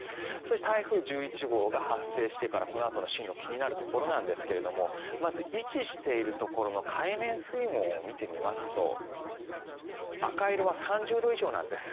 台風１１号が発生してからこのあとの進路気になるところなんですがまず位置しているところの海面水温を見てみますと赤色は３０度以上なんです。